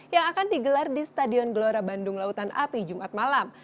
yang akan digelar di stadion gelora bandung lautan api jumat malam